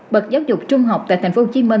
bật giáo dục trung học tại tp hcm